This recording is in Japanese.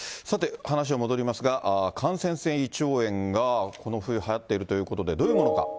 さて、話は戻りますが、感染性胃腸炎がこの冬、はやっているということで、どういうものか。